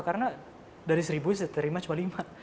karena dari seribu saya terima cuma lima